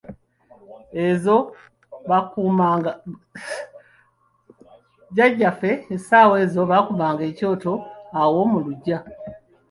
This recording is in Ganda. Jjajjaffe essaawa ezo baakumanga ekyoto awo mu luggya.